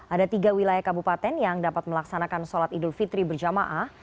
ada tiga wilayah kabupaten yang dapat melaksanakan sholat idul fitri berjamaah